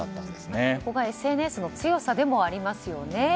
これがＳＮＳの強さでもありますよね。